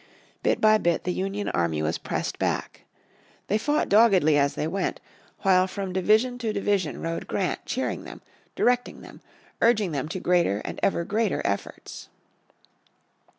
Bit by bit the Union army was pressed back. They fought doggedly as they went while from division to division rode Grant cheering them, directing them, urging them to greater and ever greater efforts.